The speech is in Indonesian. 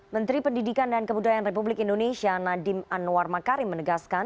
menteri pendidikan dan kebudayaan republik indonesia nadiem anwar makarim menegaskan